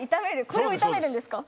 これを炒めるんですか？